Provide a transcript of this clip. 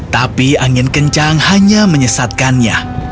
tapi angin kencang hanya menyesatkannya